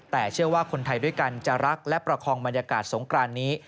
แต่เชื่อว่าคนไทยด้วยกันจะรักและประคองบรรยากาศสงครานนี้